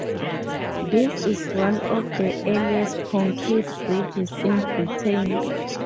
This is one of the earliest concrete bridges in Britain.